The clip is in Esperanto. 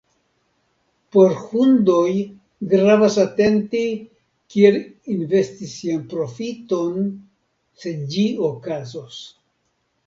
Por Hundoj gravas atenti, kiel investi sian profiton, se ĝi okazos.